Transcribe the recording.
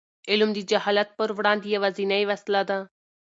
علم د جهالت پر وړاندې یوازینۍ وسله ده.